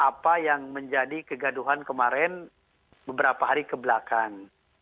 apa yang menjadi kegaduhan kemarin beberapa hari kebelakang